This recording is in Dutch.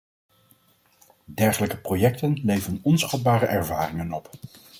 Dergelijke projecten leveren onschatbare ervaringen op.